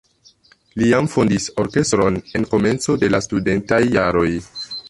Li jam fondis orkestron en komenco de la studentaj jaroj.